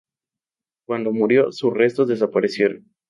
Cuando murió, sus restos desaparecieron.